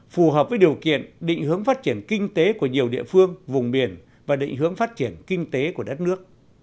phù hợp với điều kiện định hướng phát triển kinh tế của nhiều địa phương vùng biển và định hướng phát triển kinh tế của đất nước